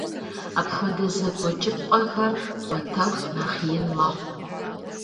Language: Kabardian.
Апхуэдэ зэгуэкӏыпӏэхэр кӏуэтэху нэхъ ин мэхъу.